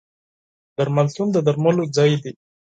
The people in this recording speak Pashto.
درملتون د درملو ځای دی.